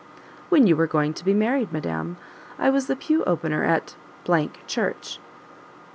"When you were going to be married, madam, I was the Pew Opener at Church."